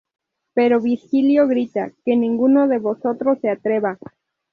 Pero Virgilio grita "¡Que ninguno de vosotros se atreva!